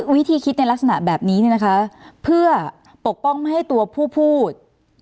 วิธีคิดในลักษณะแบบนี้เนี่ยนะคะเพื่อปกป้องไม่ให้ตัวผู้พูด